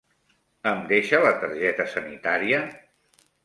Em deixa la targeta sanitària?